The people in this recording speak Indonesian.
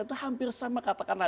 itu hampir sama katakanlah